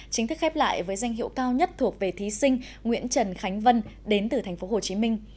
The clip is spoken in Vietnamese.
chính thức khép lại với danh hiệu cao nhất thuộc về thí sinh nguyễn trần khánh vân đến từ thành phố hồ chí minh